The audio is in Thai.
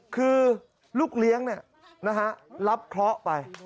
คือลูกเลี้ยงนี่นะครับรับเคราะห์ไป